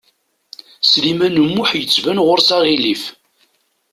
Sliman U Muḥ yettban ɣur-s aɣilif.